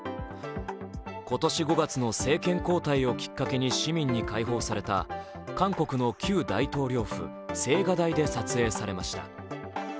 今年５月の政権交代をきっかけに市民に開放された韓国の旧大統領府・青瓦台で撮影されました。